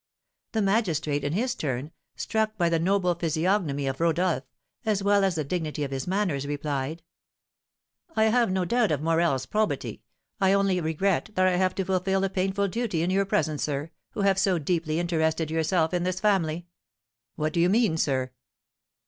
The magistrate, in his turn, struck by the noble physiognomy of Rodolph, as well as the dignity of his manners, replied: "I have no doubt of Morel's probity. I only regret I have to fulfil a painful duty in your presence, sir, who have so deeply interested yourself in this family." "What do you mean, sir?"